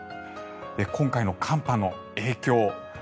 今回の寒波の影響